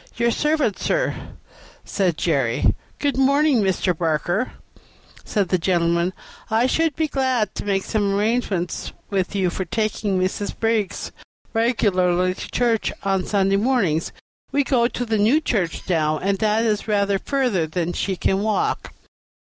"Your servant, sir," said Jerry. "Good morning, Mr. Barker," said the gentleman. "I should be glad to make some arrangements with you for taking Mrs. Briggs regularly to church on Sunday mornings. We go to the New Church now, and that is rather further than she can walk."